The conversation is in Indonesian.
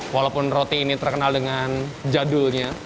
walaupun roti ini terkenal dengan jadulnya